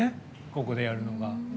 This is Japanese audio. ここでやるのが。